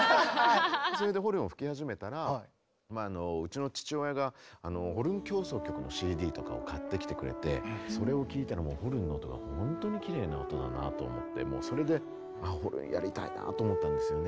それでホルンを吹き始めたらうちの父親が「ホルン協奏曲」のＣＤとかを買ってきてくれてそれを聴いたらもうホルンの音が本当にきれいな音だなと思ってそれでああホルンやりたいなと思ったんですよね。